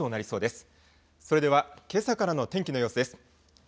それでは、けさからの天気の様子です。